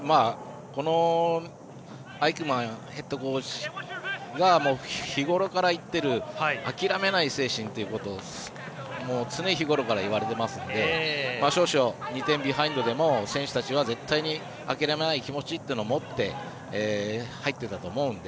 アイクマンヘッドコーチが日ごろから言っている諦めない精神ということを常日頃から言われていますので少々２点ビハインドでも選手たちは絶対に諦めない気持ちというのを持って入ってたと思うので。